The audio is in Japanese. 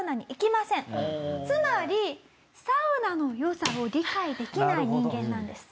つまりサウナの良さを理解できない人間なんです。